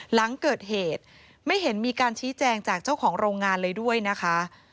หลังเกิดเหตุไม่เห็นมีการชี้แจงจากเจ้าของโรงงานเลยด้วยนะคะ